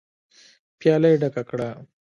پياله يې ډکه کړه.